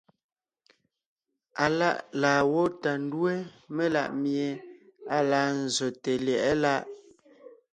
Aláʼ laa gwó tà ńdúe melaʼmie à laa nzsòte lyɛ̌ʼɛ láʼ.